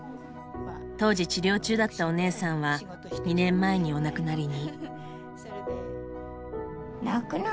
当時治療中だったお姉さんは２年前にお亡くなりに。